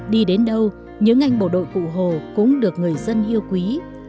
đi đến đâu những anh bộ đội cụ hồ cũng được người dân yêu quý